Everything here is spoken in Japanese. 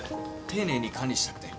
丁寧に管理したくて。